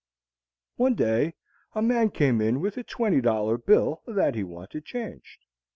One day a man came in with a twenty dollar bill that he wanted changed.